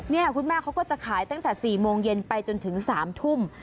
นี่คุณแม่เขาก็จะขายตั้งแต่๔โมงเย็นไปจนถึง๓ทุ่ม